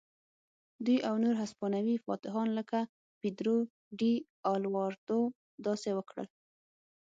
دوی او نور هسپانوي فاتحان لکه پیدرو ډي الواردو داسې وکړل.